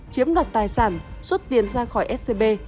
chiếm đặt tài sản xuất tiền ra khỏi scb